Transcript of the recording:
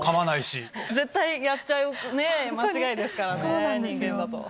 絶対やっちゃう間違いですからね人間だと。